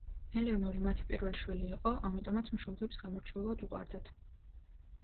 ელეონორი მათი პირველი შვილი იყო, ამიტომაც მშობლებს გამორჩეულად უყვარდათ.